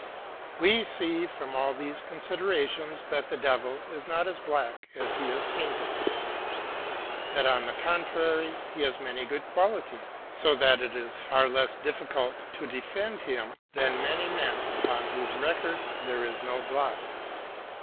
^'We see from all these considerations that the Devil is not as black as he is painted; that on the con trary he has many good qualities, so that it is far less difficult to defend him than many men upon whose record there is no blot.